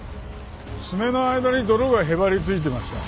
爪の間に泥がへばりついてました。